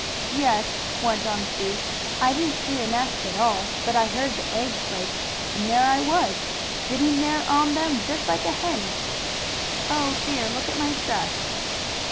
"Yes," went on Sue. "I didn't see the nest at all, but I heard the eggs break, and there I was, sitting there on them just like a hen. Oh, dear! Look at my dress!"